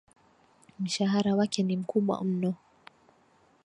Mshahara wake ni mkubwa mno.